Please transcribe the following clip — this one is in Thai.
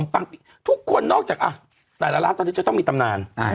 ทุกคนนอกจากแต่ละร้านตอนนี้จะต้องมีตำนาน